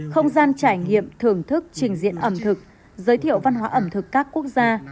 không gian trải nghiệm thưởng thức trình diễn ẩm thực giới thiệu văn hóa ẩm thực các quốc gia